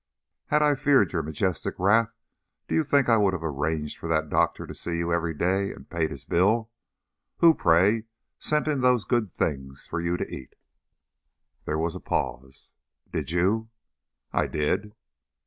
Had I feared your majestic wrath, do you think I would have arranged for that doctor to see you every day? And paid his bill? Who, pray, sent in those good things for you to eat?" There was a pause. "Did you?" "I did."